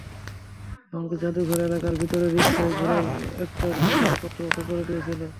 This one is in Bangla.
এমনকি জাদুঘর এলাকার ভেতর রিকশায় ঘোরার একটা সুযোগও কর্তৃপক্ষ করে দিয়েছিল।